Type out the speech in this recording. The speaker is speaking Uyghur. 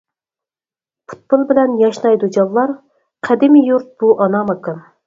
پۇتبول بىلەن ياشنايدۇ جانلار، قەدىمى يۇرت بۇ ئانا ماكان.